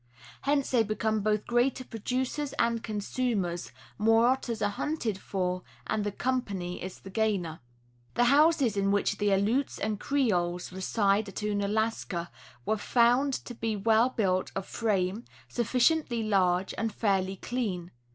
Hence they become both greater producers and consumers, more otters are hunted for, and the Company is the gainer. The houses in which the Aleuts and Creoles reside at Ounalaska were found to be well built of frame, sufficiently large and fairly clean.